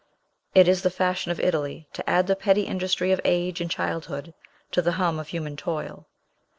It is the fashion of Italy to add the petty industry of age and childhood to the hum of human toil.